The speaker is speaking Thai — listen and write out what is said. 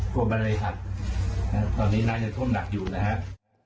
กลัวมันเลยหักตอนนี้น้ำยังท่วมหนักอยู่นะครับ